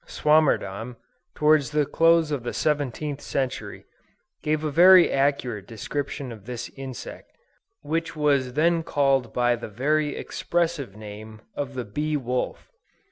Swammerdam, towards the close of the 17th century, gave a very accurate description of this insect, which was then called by the very expressive name of the "bee wolf."